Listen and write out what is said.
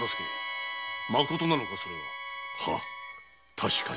確かに。